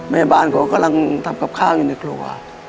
แม่บ้านเขากำลังทำกับข้าวอยู่ในครัว